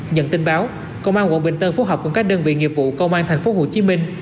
nhận tin báo công an quận bình tân phối hợp cùng các đơn vị nghiệp vụ công an thành phố hồ chí minh